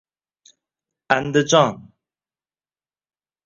Andijon